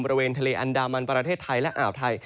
บริเวณทะเลอันดามันประเทศไทยและอ่าวไทย